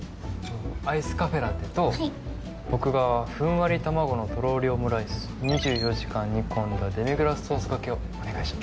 アイスカフェラテとはい僕がふんわり卵のとろーりオムライス２４時間煮込んだデミグラスソースがけをお願いします